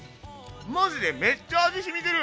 マジでめっちゃ味しみてる！